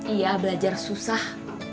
iya belajar susah